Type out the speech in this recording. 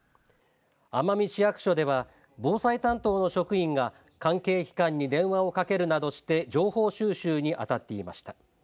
奄美市役所では防災担当の職員が関係機関に電話をかけるなどして情報収集にあたっていました。